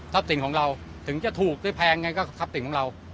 สินของเราถึงจะถูกหรือแพงไงก็ทรัพย์สินของเรา